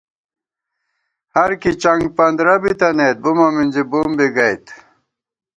ہرکی چنگ پندرہ بی تَنَئیت بُمہ مِنزی بُم بی گئیت